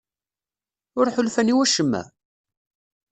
Ur ḥulfan i wacemma?